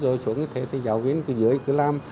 trường chuẩn cái tiêu thì giáo viên cứ dưới cứ làm